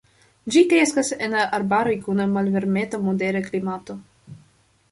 Ĝi kreskas en arbaroj kun malvarmeta-modera klimato.